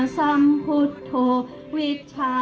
สัมพุทธวิชาสัมพุทธวิชา